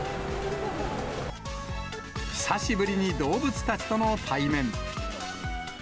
久しぶりに動物たちとの対面。